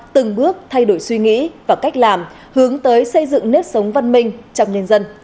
từng bước thay đổi suy nghĩ và cách làm hướng tới xây dựng nếp sống văn minh trong nhân dân